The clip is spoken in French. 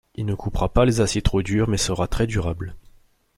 Il ne coupera pas les aciers trop durs mais sera très durable.